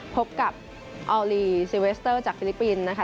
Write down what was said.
พบกับอัลลีซีเวสเตอร์จากฟิลิปปินส์นะคะ